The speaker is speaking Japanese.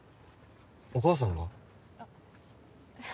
お母さんが？あっ。